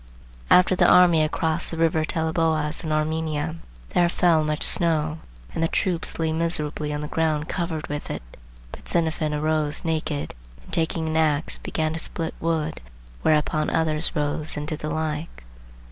"After the army had crossed the river Teleboas in Armenia, there fell much snow, and the troops lay miserably on the ground covered with it. But Xenophon arose naked, and taking an axe, began to split wood; whereupon others rose and did the like."